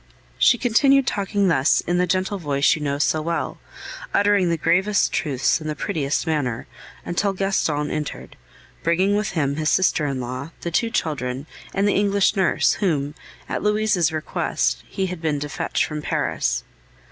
She continued talking thus in the gentle voice you know so well, uttering the gravest truths in the prettiest manner, until Gaston entered, bringing with him his sister in law, the two children, and the English nurse, whom, at Louise's request, he had been to fetch from Paris.